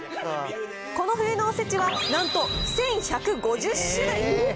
この冬のおせちはなんと１１５０種類。